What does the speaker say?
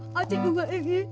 apa itu bunga ini